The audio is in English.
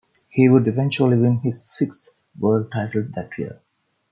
He would eventually win his sixth world title that year.